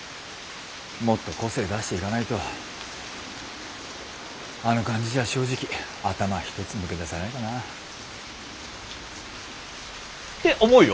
もっと個性出していかないとあの感じじゃ正直頭一つ抜け出せないかな。って思うよ。